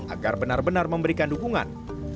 agar benar benar memberikan dukungan